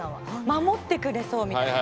守ってくれそうみたいな。